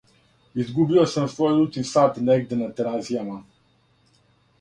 Izgubio sam svoj ručni sat negde na Terazijama.